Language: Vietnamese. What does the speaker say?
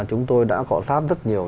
chúng tôi đã khỏa sát rất nhiều